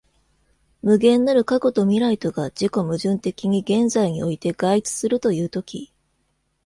無限なる過去と未来とが自己矛盾的に現在において合一するという時、